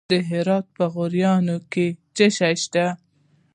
د هرات په غوریان کې څه شی شته؟